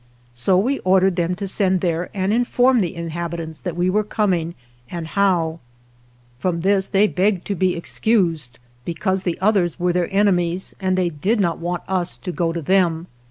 So we ordered them to send there and inform the inhabi tants that we were coming and how. From this they begged to be excused, because the others were their enemies, and they did not want us to go to them.